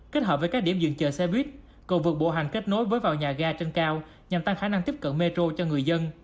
kết hợp với các điểm dừng chờ xe buýt cầu vượt bộ hành kết nối với vào nhà ga trên cao nhằm tăng khả năng tiếp cận metro cho người dân